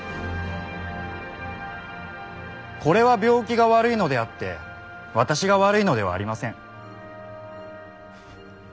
これは病気が悪いのであって私が悪いのではありません。